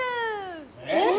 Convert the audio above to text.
えっ！